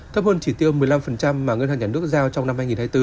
thấp hơn chỉ tiêu một mươi năm mà ngân hàng nhà nước giao trong năm hai nghìn hai mươi bốn